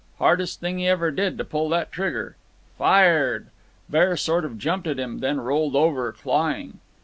Hardest thing he ever did, to pull that trigger. Fired. Bear sort of jumped at him, then rolled over, clawing.